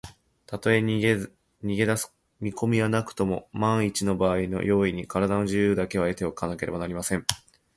たとえ逃げだす見こみはなくとも、まんいちのばあいの用意に、からだの自由だけは得ておかねばなりません。